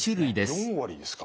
４割ですか？